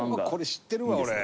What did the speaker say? これ知ってるわ、俺。